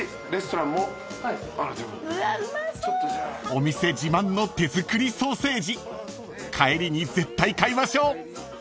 ［お店自慢の手作りソーセージ帰りに絶対買いましょう］